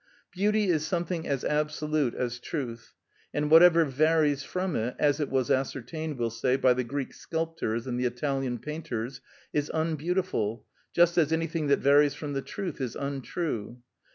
Beauty is something as absolute as truth, and whatever varies from it, as it was ascertained, we'll say, by the Greek sculptors and the Italian painters, is unbeautiful, just as anything that varies from the truth is untrue.